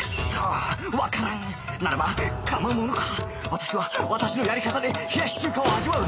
私は私のやり方で冷やし中華を味わう